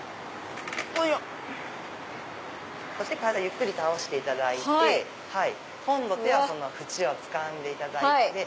そして体ゆっくり倒していただいて手は縁をつかんでいただいて。